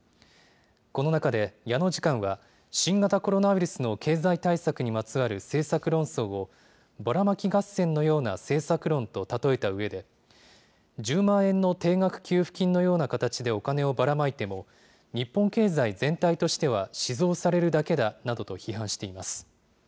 この中で矢野次官は、新型コロナウイルスの経済対策にまつわる政策論争を、バラマキ合戦のような政策論と例えたうえで、１０万円の定額給付金のような形でお金をばらまいても、日本経済全体としては死蔵されるだけだなどと批判しています。